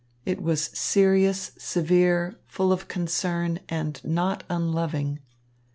It was serious, severe, full of concern, and not unloving.